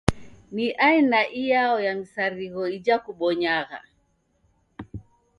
Ni aina iyao ya misarigho ijha kubonyagha?